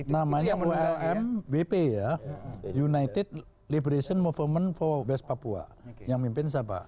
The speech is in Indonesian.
namanya ulmwp ya united liberation movement for west papua yang mimpin siapa